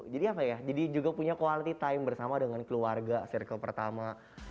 jadi apa ya jadi juga punya quality time bersama dengan keluarga sirkel pertama